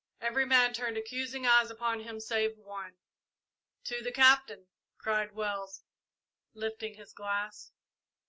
Every man turned accusing eyes upon him save one. "To the Captain!" cried Wells, lifting his glass.